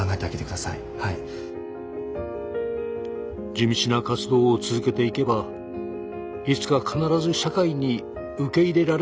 地道な活動を続けていけばいつか必ず社会に受け入れられる日が来るはず。